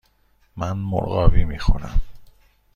من مرغابی می خورم.